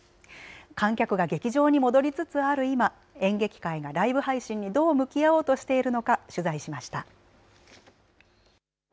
観客が劇場に戻りつつある今演劇界がライブ配信にどう向き合おうとしているのか取材しました。